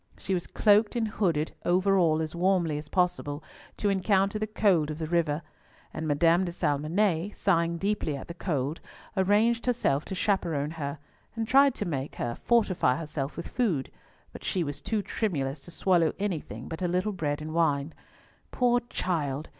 She was cloaked and hooded over all as warmly as possible to encounter the cold of the river: and Madame de Salmonnet, sighing deeply at the cold, arranged herself to chaperon her, and tried to make her fortify herself with food, but she was too tremulous to swallow anything but a little bread and wine. Poor child!